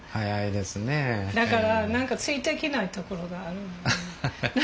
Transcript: だから何かついていけないところがあるの。